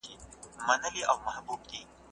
الله تعالی انسانانو ته په مځکه کي واک ورکړی دی